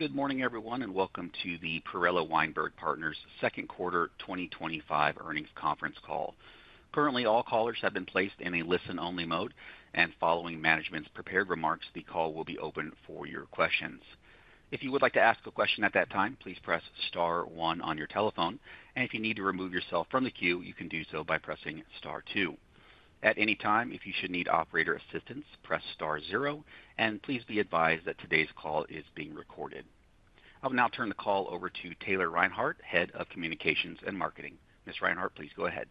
Good morning, everyone, and welcome to the Perella Weinberg Partners second quarter 2025 earnings conference call. Currently, all callers have been placed in a listen-only mode, and following management's prepared remarks, the call will be open for your questions. If you would like to ask a question at that time, please press *1 on your telephone, and if you need to remove yourself from the queue, you can do so by pressing star two. At any time, if you should need operator assistance, press star zero, and please be advised that today's call is being recorded. I will now turn the call over to Taylor Reinhardt, Head of Communications and Marketing. Ms. Reinhardt, please go ahead.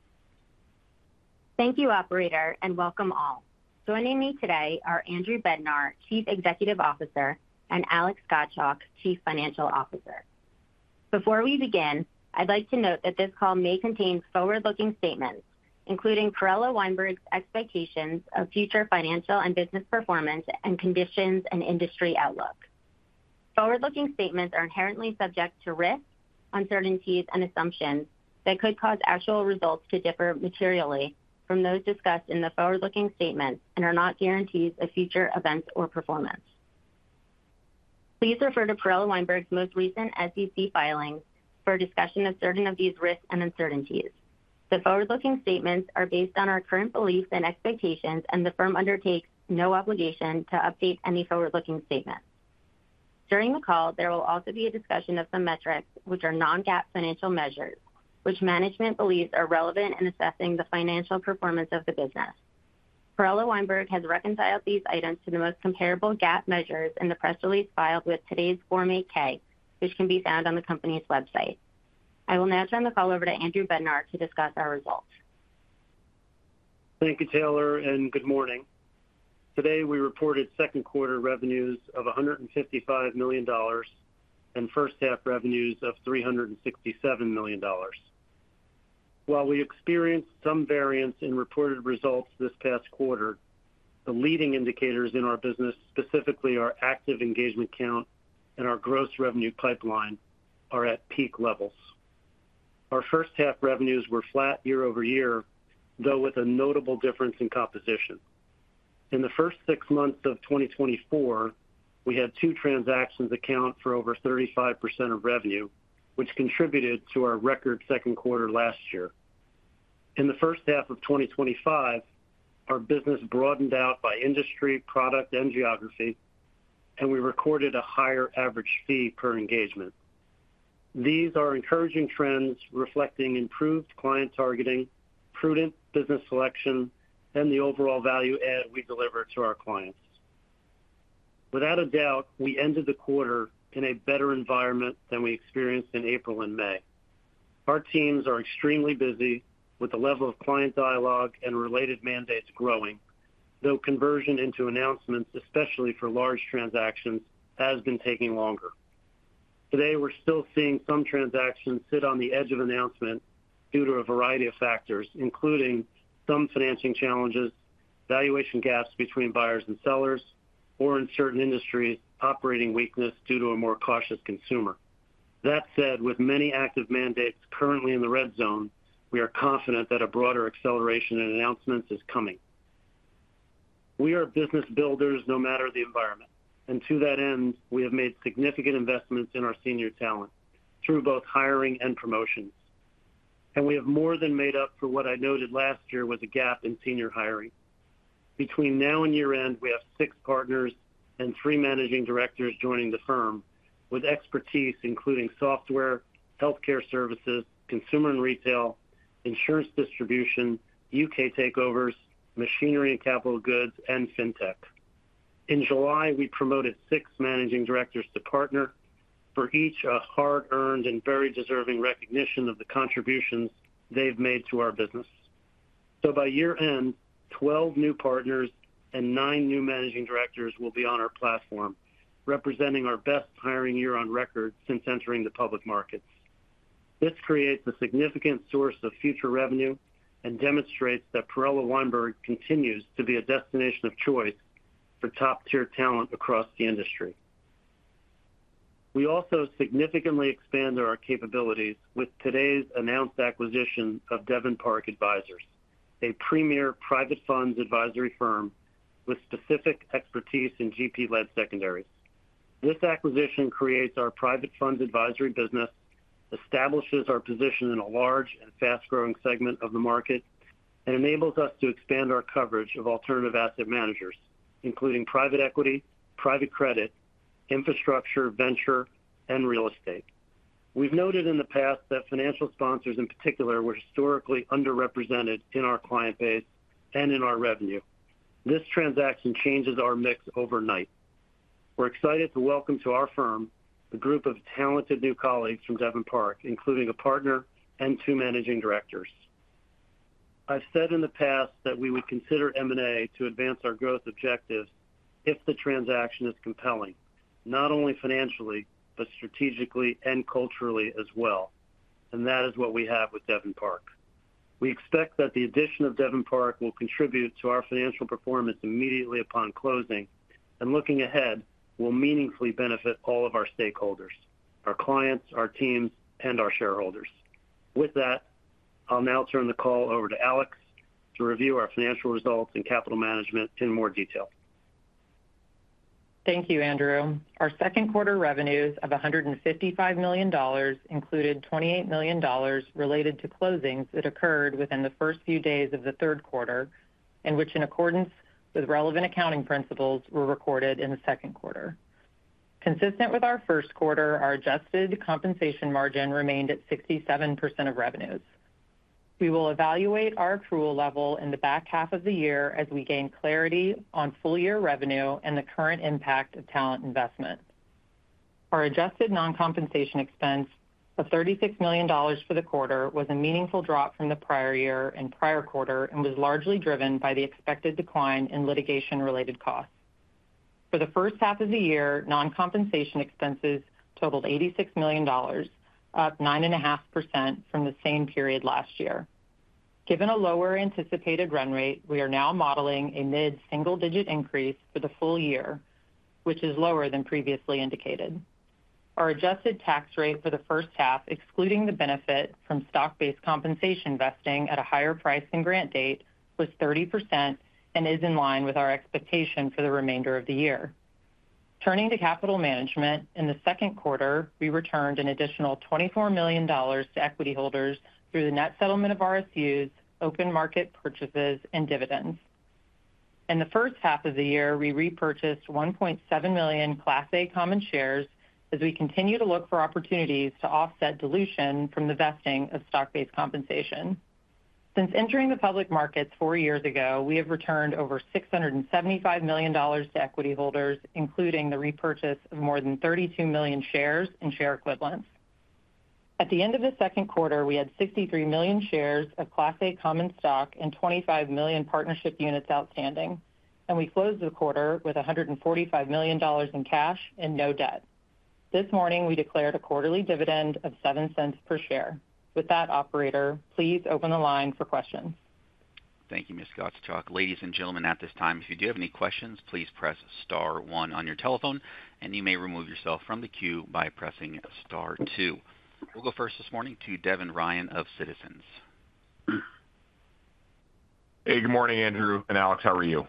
Thank you, operator, and welcome all. Joining me today are Andrew Bednar, Chief Executive Officer, and Alex Gottschalk, Chief Financial Officer. Before we begin, I'd like to note that this call may contain forward-looking statements, including Perella Weinberg Partners' expectations of future financial and business performance and conditions and industry outlook. Forward-looking statements are inherently subject to risks, uncertainties, and assumptions that could cause actual results to differ materially from those discussed in the forward-looking statements and are not guarantees of future events or performance. Please refer to Perella Weinberg Partners' most recent SEC filings for a discussion of certain of these risks and uncertainties. The forward-looking statements are based on our current beliefs and expectations, and the firm undertakes no obligation to update any forward-looking statements. During the call, there will also be a discussion of some metrics, which are non-GAAP financial measures, which management believes are relevant in assessing the financial performance of the business. Perella Weinberg Partners has reconciled these items to the most comparable GAAP measures in the press release filed with today's Form 8-K, which can be found on the company's website. I will now turn the call over to Andrew Bednar to discuss our results. Thank you, Taylor, and good morning. Today, we reported second quarter revenues of $155 million and first half revenues of $367 million. While we experienced some variance in reported results this past quarter, the leading indicators in our business, specifically our active engagement count and our gross revenue pipeline, are at peak levels. Our first half revenues were flat year over year, though with a notable difference in composition. In the first six months of 2024, we had two transactions account for over 35% of revenue, which contributed to our record second quarter last year. In the first half of 2025, our business broadened out by industry, product, and geography, and we recorded a higher average fee per engagement. These are encouraging trends reflecting improved client targeting, prudent business selection, and the overall value add we deliver to our clients. Without a doubt, we ended the quarter in a better environment than we experienced in April and May. Our teams are extremely busy, with the level of client dialogue and related mandates growing, though conversion into announcements, especially for large transactions, has been taking longer. Today, we're still seeing some transactions sit on the edge of announcement due to a variety of factors, including some financing challenges, valuation gaps between buyers and sellers, or in certain industries, operating weakness due to a more cautious consumer. That said, with many active mandates currently in the red zone, we are confident that a broader acceleration in announcements is coming. We are business builders no matter the environment. To that end, we have made significant investments in our senior talent through both hiring and promotions. We have more than made up for what I noted last year was a gap in senior hiring. Between now and year-end, we have six partners and three managing directors joining the firm with expertise including software, healthcare services, consumer and retail, insurance distribution, U.K. takeovers, machinery and capital goods, and fintech. In July, we promoted six managing directors to partner, for each a hard-earned and very deserving recognition of the contributions they've made to our business. By year-end, 12 new partners and nine new managing directors will be on our platform, representing our best hiring year on record since entering the public markets. This creates a significant source of future revenue and demonstrates that Perella Weinberg Partners continues to be a destination of choice for top-tier talent across the industry. We also significantly expanded our capabilities with today's announced acquisition of Devon Park Advisors, a premier private funds advisory firm with specific expertise in GP-led secondaries. This acquisition creates our private funds advisory business, establishes our position in a large and fast-growing segment of the market, and enables us to expand our coverage of alternative asset managers, including private equity, private credit, infrastructure, venture, and real estate. We've noted in the past that financial sponsors in particular were historically underrepresented in our client base and in our revenue. This transaction changes our mix overnight. We're excited to welcome to our firm the group of talented new colleagues from Devon Park, including a partner and two Managing Directors. I've said in the past that we would consider M&A to advance our growth objectives if the transaction is compelling, not only financially but strategically and culturally as well, and that is what we have with Devon Park. We expect that the addition of Devon Park will contribute to our financial performance immediately upon closing, and looking ahead, will meaningfully benefit all of our stakeholders: our clients, our teams, and our shareholders. With that, I'll now turn the call over to Alex to review our financial results and capital management in more detail. Thank you, Andrew. Our second quarter revenues of $155 million included $28 million related to closings that occurred within the first few days of the third quarter, and which, in accordance with relevant accounting principles, were recorded in the second quarter. Consistent with our first quarter, our adjusted compensation margin remained at 67% of revenues. We will evaluate our approval level in the back half of the year as we gain clarity on full-year revenue and the current impact of talent investment. Our adjusted non-compensation expense of $36 million for the quarter was a meaningful drop from the prior year and prior quarter and was largely driven by the expected decline in litigation-related costs. For the first half of the year, non-compensation expenses totaled $86 million, up 9.5% from the same period last year. Given a lower anticipated run rate, we are now modeling a mid-single-digit increase for the full year, which is lower than previously indicated. Our adjusted tax rate for the first half, excluding the benefit from stock-based compensation vesting at a higher price than grant date, was 30% and is in line with our expectation for the remainder of the year. Turning to capital management, in the second quarter, we returned an additional $24 million to equity holders through the net settlement of RSUs, open market purchases, and dividends. In the first half of the year, we repurchased 1.7 million Class A common shares as we continue to look for opportunities to offset dilution from the vesting of stock-based compensation. Since entering the public markets four years ago, we have returned over $675 million to equity holders, including the repurchase of more than 32 million shares and share equivalents. At the end of the second quarter, we had 63 million shares of Class A common stock and 25 million partnership units outstanding, and we closed the quarter with $145 million in cash and no debt. This morning, we declared a quarterly dividend of $0.07 per share. With that, operator, please open the line for questions. Thank you, Ms. Gottschalk. Ladies and gentlemen, at this time, if you do have any questions, please press star one on your telephone, and you may remove yourself from the queue by pressing star two. We'll go first this morning to Devin Ryan of Citizens JMP. Hey, good morning, Andrew and Alex. How are you?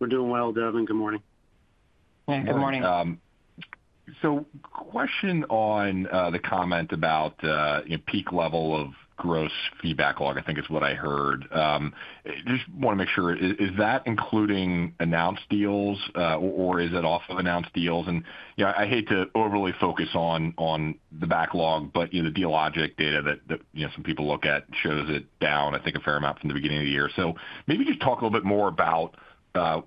We're doing well, Devin. Good morning. Thank you. Good morning. The question on the comment about, you know, peak level of gross feedback log, I think is what I heard. I just want to make sure, is that including announced deals or is it off of announced deals? I hate to overly focus on the backlog, but the Dealogic data that some people look at shows it down, I think, a fair amount from the beginning of the year. Maybe just talk a little bit more about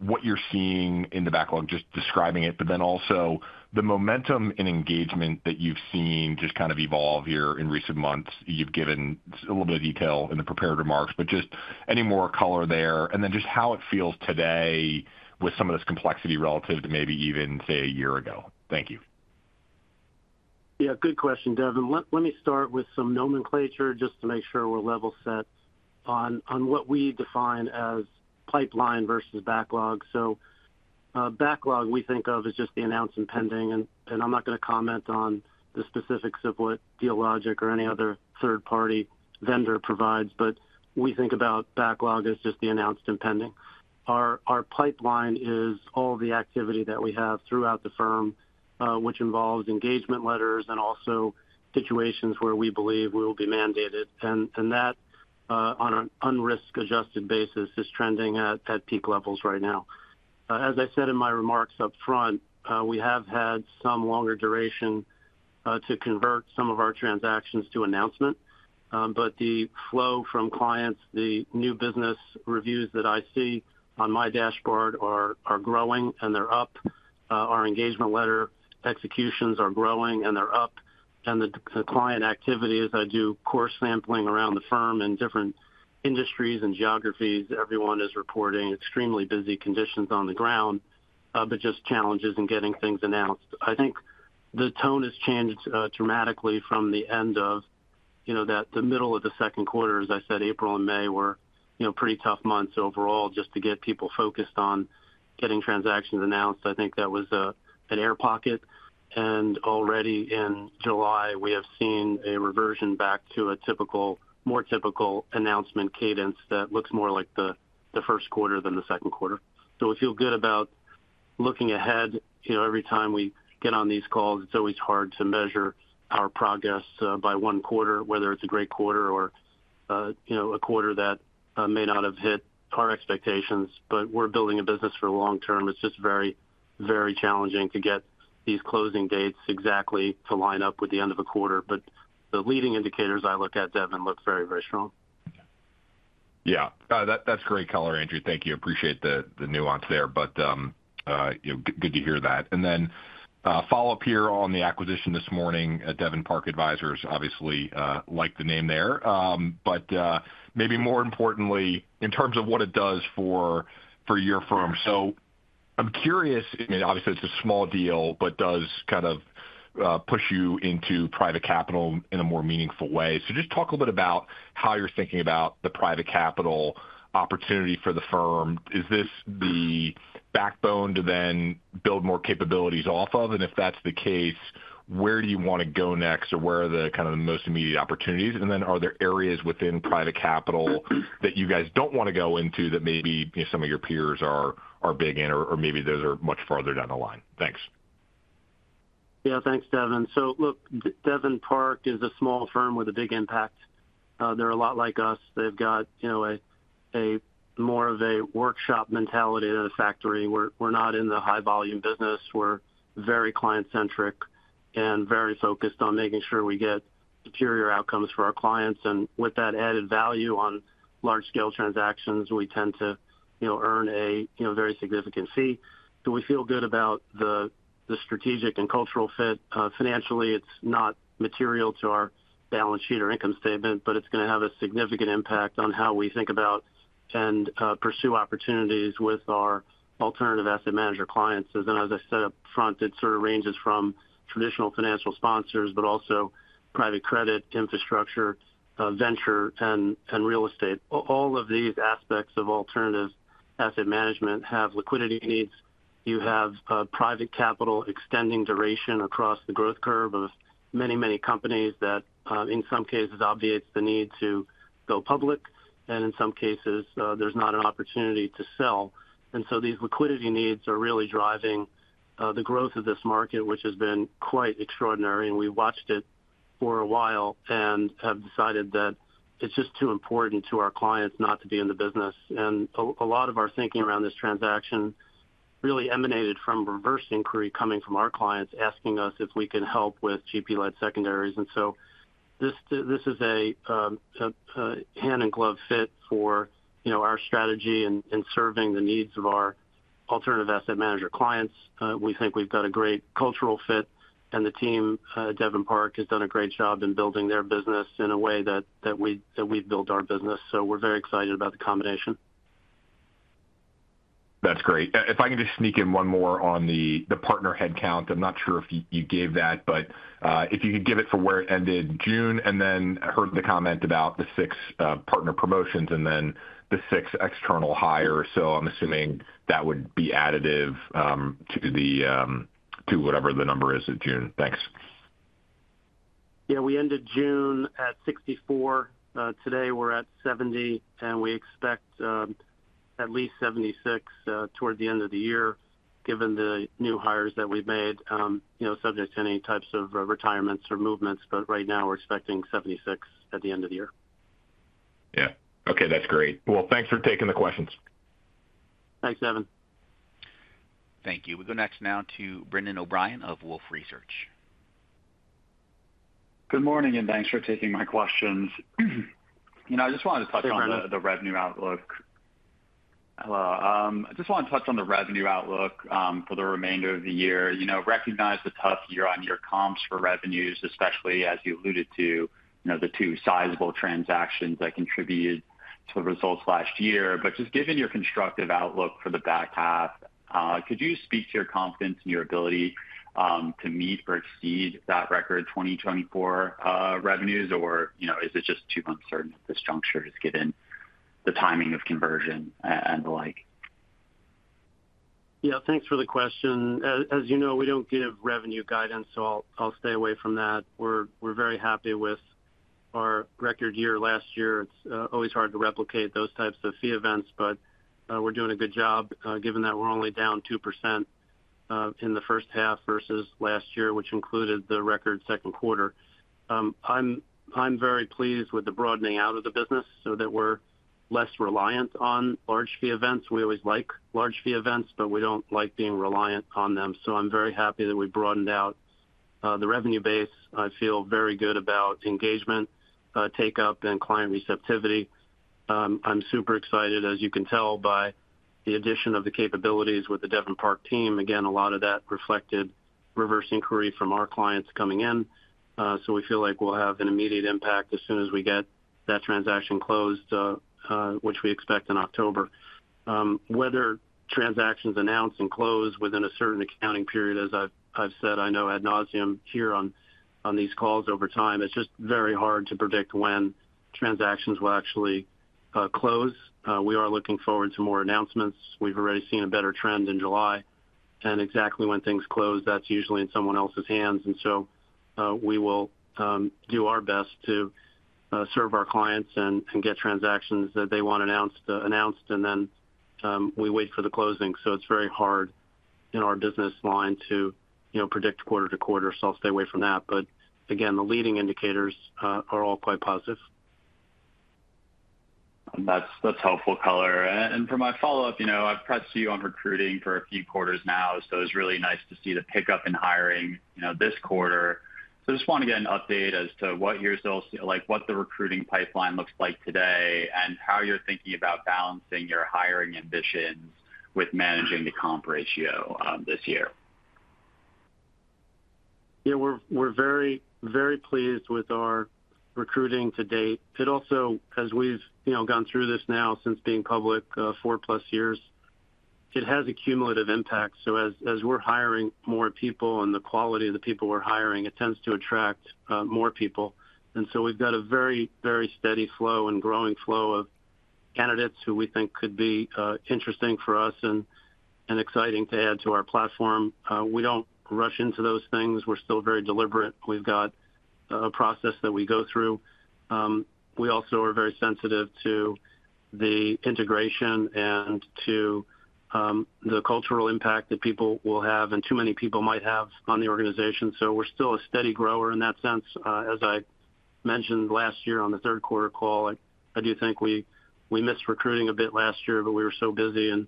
what you're seeing in the backlog, just describing it, but then also the momentum in engagement that you've seen just kind of evolve here in recent months. You've given a little bit of detail in the prepared remarks, but just any more color there, and then just how it feels today with some of this complexity relative to maybe even, say, a year ago. Thank you. Yeah, good question, Devin. Let me start with some nomenclature just to make sure we're level set on what we define as pipeline versus backlog. Backlog, we think of as just the announced and pending, and I'm not going to comment on the specifics of what Dealogic or any other third-party vendor provides, but we think about backlog as just the announced and pending. Our pipeline is all the activity that we have throughout the firm, which involves engagement letters and also situations where we believe we will be mandated, and that on an un-risk adjusted basis is trending at peak levels right now. As I said in my remarks up front, we have had some longer duration to convert some of our transactions to announcement, but the flow from clients, the new business reviews that I see on my dashboard are growing and they're up. Our engagement letter executions are growing and they're up, and the client activity, as I do core sampling around the firm in different industries and geographies, everyone is reporting extremely busy conditions on the ground, just challenges in getting things announced. I think the tone has changed dramatically from the end of, you know, the middle of the second quarter, as I said, April and May were, you know, pretty tough months overall just to get people focused on getting transactions announced. I think that was an air pocket, and already in July, we have seen a reversion back to a more typical announcement cadence that looks more like the first quarter than the second quarter. We feel good about looking ahead. Every time we get on these calls, it's always hard to measure our progress by one quarter, whether it's a great quarter or a quarter that may not have hit our expectations, but we're building a business for the long term. It's just very, very challenging to get these closing dates exactly to line up with the end of a quarter, but the leading indicators I look at, Devin, look very, very strong. Yeah, that's great color, Andrew. Thank you. Appreciate the nuance there, good to hear that. A follow-up here on the acquisition this morning. Devon Park Advisors, obviously, like the name there, but maybe more importantly, in terms of what it does for your firm. I'm curious, obviously, it's a small deal, but does kind of push you into private capital in a more meaningful way. Just talk a little bit about how you're thinking about the private capital opportunity for the firm. Is this the backbone to then build more capabilities off of? If that's the case, where do you want to go next or where are the most immediate opportunities? Are there areas within private capital that you guys don't want to go into that maybe some of your peers are big in or maybe those are much farther down the line? Thanks. Yeah, thanks, Devin. Devon Park Advisors is a small firm with a big impact. They're a lot like us. They've got more of a workshop mentality than a factory. We're not in the high-volume business. We're very client-centric and very focused on making sure we get superior outcomes for our clients. With that added value on large-scale transactions, we tend to earn a very significant fee. We feel good about the strategic and cultural fit. Financially, it's not material to our balance sheet or income statement, but it's going to have a significant impact on how we think about and pursue opportunities with our alternative asset manager clients. As I said up front, it sort of ranges from traditional financial sponsors, but also private credit, infrastructure, venture, and real estate. All of these aspects of alternative asset management have liquidity needs. You have private capital extending duration across the growth curve of many, many companies that, in some cases, obviates the need to go public, and in some cases, there's not an opportunity to sell. These liquidity needs are really driving the growth of this market, which has been quite extraordinary. We watched it for a while and have decided that it's just too important to our clients not to be in the business. A lot of our thinking around this transaction really emanated from reverse inquiry coming from our clients asking us if we can help with GP-led secondaries. This is a hand-in-glove fit for our strategy in serving the needs of our alternative asset manager clients. We think we've got a great cultural fit, and the team, Devon Park Advisors, has done a great job in building their business in a way that we've built our business. We're very excited about the combination. That's great. If I can just sneak in one more on the partner headcount, I'm not sure if you gave that, but if you could give it for where it ended in June, and then I heard the comment about the six partner promotions and then the six external hires. I'm assuming that would be additive to whatever the number is in June. Thanks. Yeah, we ended June at 64. Today, we're at 70, and we expect at least 76 toward the end of the year, given the new hires that we've made, subject to any types of retirements or movements. Right now, we're expecting 76 at the end of the year. Yeah. Okay, that's great. Thanks for taking the questions. Thanks, Devin. Thank you. We'll go next now to Brendan O’Brien of Wolfe Research. Good morning, and thanks for taking my questions. I just wanted to touch on the revenue outlook for the remainder of the year. I recognize the tough year-on-year comps for revenues, especially as you alluded to the two sizable transactions that contributed to the results last year. Given your constructive outlook for the back half, could you speak to your confidence in your ability to meet or exceed that record 2024 revenues, or is it just too uncertain at this juncture given the timing of conversion and the like? Yeah, thanks for the question. As you know, we don't give revenue guidance, so I'll stay away from that. We're very happy with our record year last year. It's always hard to replicate those types of fee events, but we're doing a good job given that we're only down 2% in the first half versus last year, which included the record second quarter. I'm very pleased with the broadening out of the business so that we're less reliant on large fee events. We always like large fee events, but we don't like being reliant on them. I'm very happy that we broadened out the revenue base. I feel very good about engagement, take-up, and client receptivity. I'm super excited, as you can tell, by the addition of the capabilities with the Devon Park Advisors team. A lot of that reflected reverse inquiry from our clients coming in. We feel like we'll have an immediate impact as soon as we get that transaction closed, which we expect in October. Whether transactions announce and close within a certain accounting period, as I've said, I know ad nauseam here on these calls over time, it's just very hard to predict when transactions will actually close. We are looking forward to more announcements. We've already seen a better trend in July, and exactly when things close, that's usually in someone else's hands. We will do our best to serve our clients and get transactions that they want announced announced, and then we wait for the closing. It's very hard in our business line to predict quarter to quarter, so I'll stay away from that. The leading indicators are all quite positive. That's helpful, Color. For my follow-up, you know, I've pressed you on recruiting for a few quarters now, so it was really nice to see the pickup in hiring this quarter. I just want to get an update as to what your sales team, like what the recruiting pipeline looks like today and how you're thinking about balancing your hiring ambition with managing the comp ratio this year. Yeah, we're very, very pleased with our recruiting to date. It also, as we've gone through this now since being public four plus years, it has a cumulative impact. As we're hiring more people and the quality of the people we're hiring, it tends to attract more people. We've got a very, very steady flow and growing flow of candidates who we think could be interesting for us and exciting to add to our platform. We don't rush into those things. We're still very deliberate. We've got a process that we go through. We also are very sensitive to the integration and to the cultural impact that people will have and too many people might have on the organization. We're still a steady grower in that sense. As I mentioned last year on the third quarter call, I do think we missed recruiting a bit last year, but we were so busy and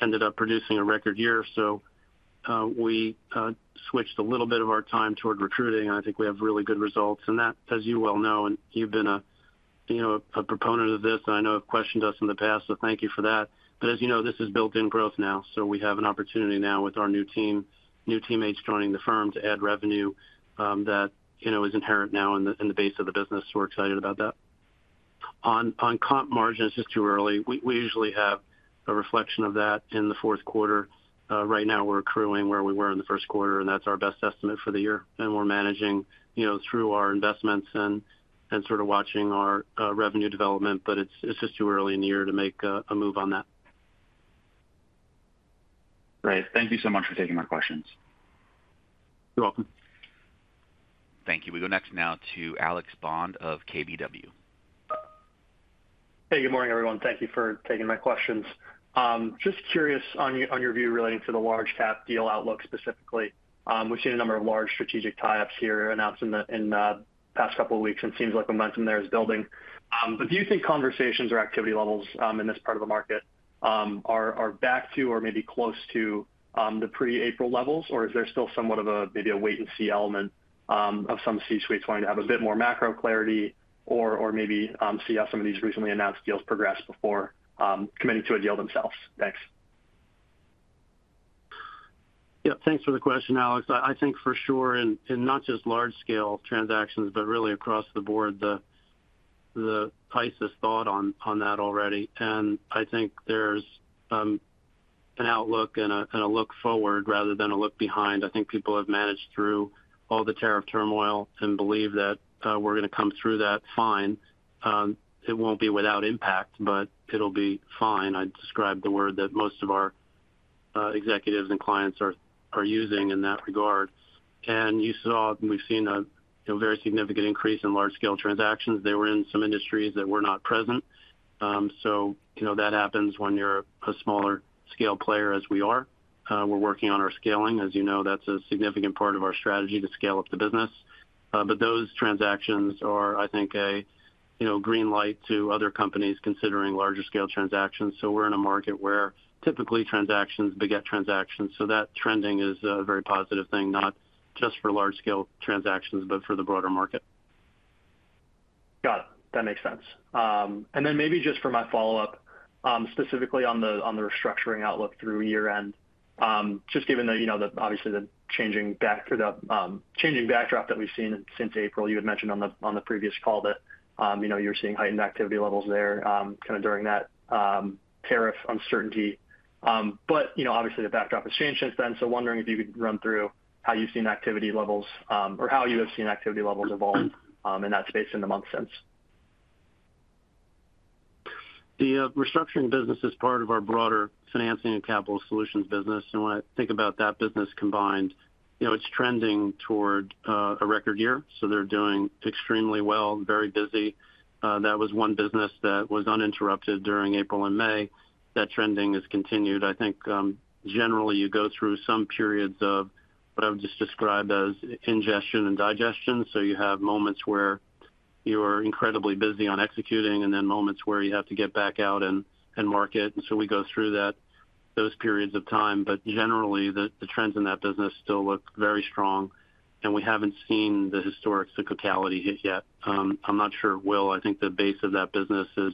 ended up producing a record year. We switched a little bit of our time toward recruiting, and I think we have really good results. As you well know, and you've been a proponent of this, and I know have questioned us in the past, thank you for that. As you know, this is built-in growth now. We have an opportunity now with our new team, new teammates joining the firm to add revenue that is inherent now in the base of the business. We're excited about that. On comp margins, it's just too early. We usually have a reflection of that in the fourth quarter. Right now, we're accruing where we were in the first quarter, and that's our best estimate for the year. We're managing through our investments and sort of watching our revenue development, but it's just too early in the year to make a move on that. Right. Thank you so much for taking my questions. You're welcome. Thank you. We go next now to Alex Bond of KBW. Hey, good morning, everyone. Thank you for taking my questions. Just curious on your view relating to the large-cap deal outlook specifically. We've seen a number of large strategic tie-ups here announced in the past couple of weeks, and it seems like momentum there is building. Do you think conversations or activity levels in this part of the market are back to or maybe close to the pre-April levels, or is there still somewhat of a maybe a wait-and-see element of some C-suites wanting to have a bit more macro clarity or maybe see how some of these recently announced deals progress before committing to a deal themselves? Thanks. Yeah, thanks for the question, Alex. I think for sure, in not just large-scale transactions, but really across the board, the price has thawed on that already. I think there's an outlook and a look forward rather than a look behind. I think people have managed through all the tariff turmoil and believe that we're going to come through that fine. It won't be without impact, but it'll be fine. I described the word that most of our executives and clients are using in that regard. You saw, and we've seen, a very significant increase in large-scale transactions. They were in some industries that were not present. That happens when you're a smaller-scale player as we are. We're working on our scaling. As you know, that's a significant part of our strategy to scale up the business. Those transactions are, I think, a green light to other companies considering larger-scale transactions. We're in a market where typically transactions beget transactions. That trending is a very positive thing, not just for large-scale transactions, but for the broader market. Got it. That makes sense. Maybe just for my follow-up, specifically on the restructuring outlook through year-end, just given that, you know, obviously the changing backdrop that we've seen since April, you had mentioned on the previous call that, you know, you're seeing heightened activity levels there, kind of during that tariff uncertainty. Obviously the backdrop has changed since then. Wondering if you could run through how you've seen activity levels or how you have seen activity levels evolve in that space in the months since. The restructuring business is part of our broader financing and capital solutions business. When I think about that business combined, you know, it's trending toward a record year. They're doing extremely well, very busy. That was one business that was uninterrupted during April and May. That trending has continued. I think generally you go through some periods of what I've just described as ingestion and digestion. You have moments where you're incredibly busy on executing and then moments where you have to get back out and market. We go through those periods of time. Generally, the trends in that business still look very strong. We haven't seen the historic cyclicality hit yet. I'm not sure it will. I think the base of that business is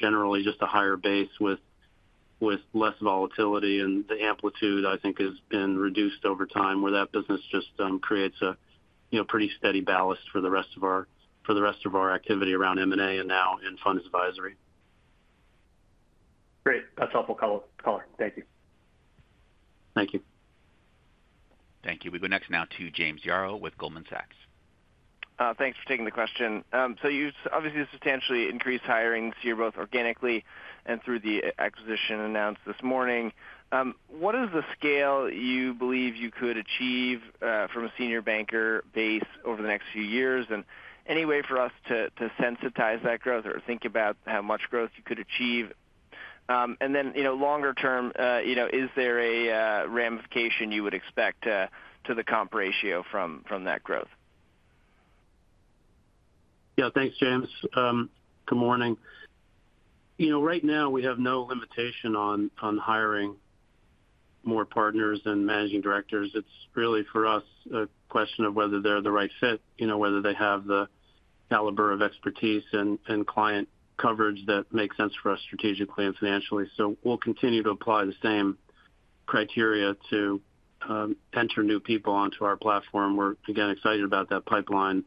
generally just a higher base with less volatility. The amplitude, I think, has been reduced over time where that business just creates a pretty steady ballast for the rest of our activity around M&A and now in fund advisory. Great. That's helpful, color. Thank you. Thank you. Thank you. We go next now to James Yaro with Goldman Sachs. Thanks for taking the question. You obviously substantially increased hirings here both organically and through the acquisition announced this morning. What is the scale you believe you could achieve from a senior banker base over the next few years? Any way for us to sensitize that growth or think about how much growth you could achieve? Longer term, is there a ramification you would expect to the comp ratio from that growth? Yeah, thanks, James. Good morning. Right now we have no limitation on hiring more partners and Managing Directors. It's really for us a question of whether they're the right fit, whether they have the caliber of expertise and client coverage that makes sense for us strategically and financially. We'll continue to apply the same criteria to enter new people onto our platform. We're again excited about that pipeline,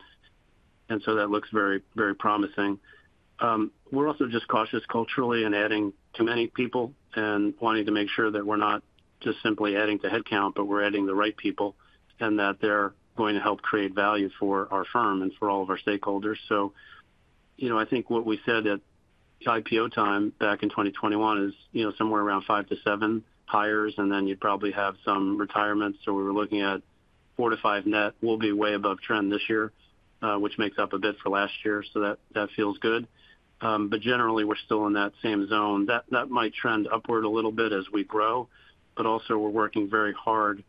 and that looks very, very promising. We're also just cautious culturally in adding too many people and wanting to make sure that we're not just simply adding to headcount, but we're adding the right people and that they're going to help create value for our firm and for all of our stakeholders. I think what we said at IPO time back in 2021 is, somewhere around five to seven hires, and then you'd probably have some retirements. We were looking at four to five net. We'll be way above trend this year, which makes up a bit for last year. That feels good. Generally, we're still in that same zone. That might trend upward a little bit as we grow. We're working very hard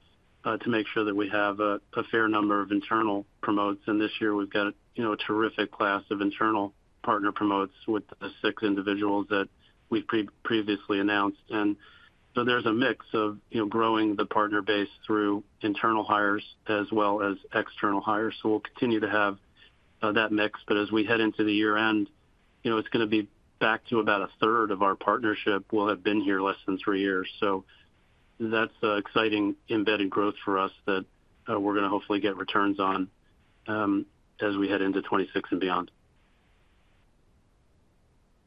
to make sure that we have a fair number of internal promotes. This year, we've got a terrific class of internal partner promotes with the six individuals that we previously announced. There's a mix of growing the partner base through internal hires as well as external hires. We'll continue to have that mix. As we head into the year-end, it's going to be back to about a third of our partnership will have been here less than three years. That's an exciting embedded growth for us that we're going to hopefully get returns on as we head into 2026 and beyond.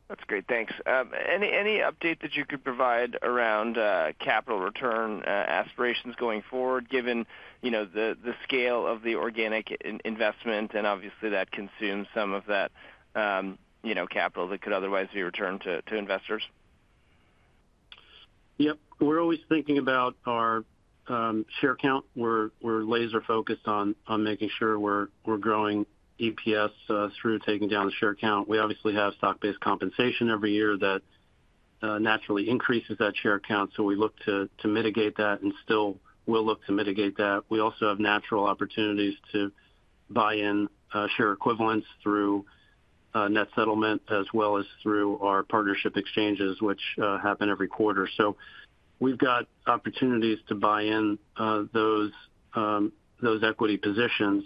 That's great. Thanks. Any update that you could provide around capital return aspirations going forward, given the scale of the organic investment? Obviously, that consumes some of that capital that could otherwise be returned to investors. Yep. We're always thinking about our share count. We're laser-focused on making sure we're growing EPS through taking down the share count. We obviously have stock-based compensation every year that naturally increases that share count. We look to mitigate that and still will look to mitigate that. We also have natural opportunities to buy in share equivalents through net settlement as well as through our partnership exchanges, which happen every quarter. We've got opportunities to buy in those equity positions.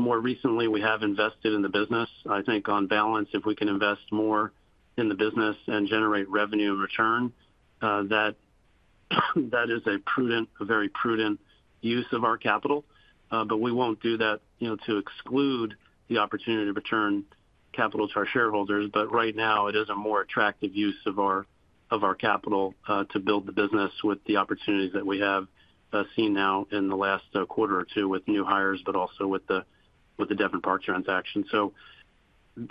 More recently, we have invested in the business. I think on balance, if we can invest more in the business and generate revenue and return, that is a prudent, a very prudent use of our capital. We won't do that, you know, to exclude the opportunity to return capital to our shareholders. Right now, it is a more attractive use of our capital to build the business with the opportunities that we have seen now in the last quarter or two with new hires, but also with the Devon Park Advisors transaction.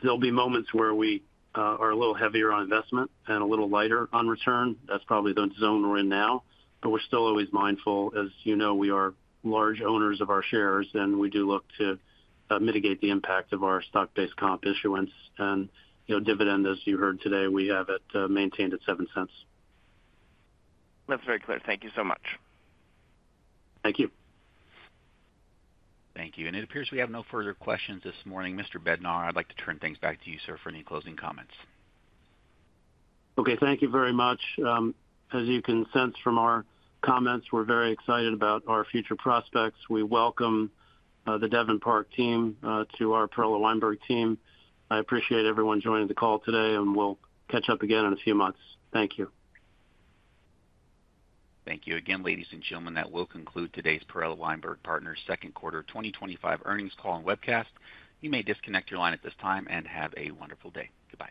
There'll be moments where we are a little heavier on investment and a little lighter on return. That's probably the zone we're in now. We're still always mindful, as you know, we are large owners of our shares, and we do look to mitigate the impact of our stock-based comp issuance. Dividend, as you heard today, we have it maintained at $0.07. That's very clear. Thank you so much. Thank you. Thank you. It appears we have no further questions this morning. Mr. Bednar, I'd like to turn things back to you, sir, for any closing comments. Okay. Thank you very much. As you can sense from our comments, we're very excited about our future prospects. We welcome the Devon Park Advisors team to our Perella Weinberg Partners team. I appreciate everyone joining the call today, and we'll catch up again in a few months. Thank you. Thank you again, ladies and gentlemen. That will conclude today's Perella Weinberg Partners second quarter 2025 earnings call and webcast. You may disconnect your line at this time and have a wonderful day. Goodbye.